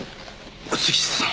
杉下さん。